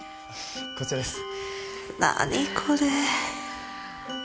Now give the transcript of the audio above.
こちらです。